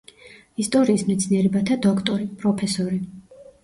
ისტორიის მეცნიერებათა დოქტორი, პროფესორი.